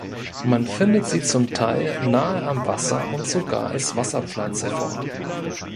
Man findet sie zum Teil nahe am Wasser und sogar als Wasserpflanze vor.